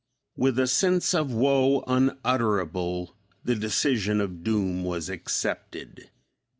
With a sense of woe unutterable the decision of doom was accepted.